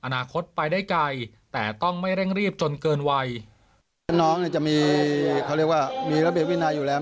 คตไปได้ไกลแต่ต้องไม่เร่งรีบจนเกินวัยเพราะน้องเนี่ยจะมีเขาเรียกว่ามีระเบียบวินัยอยู่แล้ว